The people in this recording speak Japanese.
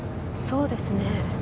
そうですね。